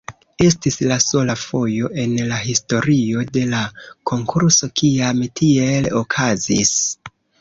Estis la sola fojo en la historio de la konkurso kiam tiele okazis.